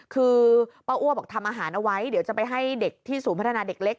คือป้าอ้ว่าบอกทำอาหารเอาไว้เดี๋ยวจะไปให้สู่พัฒนาเด็กเล็ก